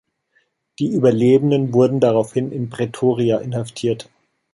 Die Überlebenden wurden daraufhin in Pretoria inhaftiert.